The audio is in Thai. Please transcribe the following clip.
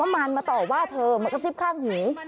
มันมาต่อว่าเธอมากระซิบข้างหู